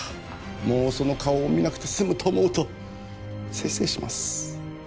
もうその顔を見なくて済むと思うと清々します